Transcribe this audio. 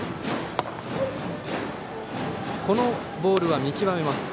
このボールは見極めました。